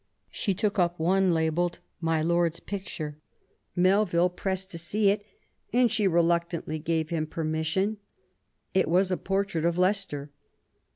She took up one labelled " My Lord's picture ". Melville pressed to see it, and she reluctantly gave him permission. It was a portrait of Leicester.